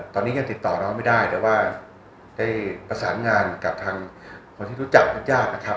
ตอนนี้ยังติดต่อน้องไม่ได้แต่ว่าได้ประสานงานกับทางคนที่รู้จักญาตินะครับ